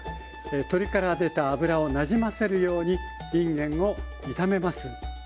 鶏から出た脂をなじませるようにいんげんを炒めます。